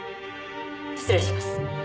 失礼します。